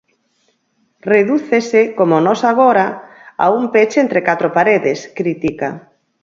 Redúcese, como nós agora, a un peche entre catro paredes, critica.